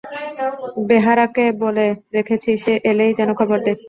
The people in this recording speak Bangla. বেহারাকে বলে রেখেছি সে এলেই যেন খবর দেয়।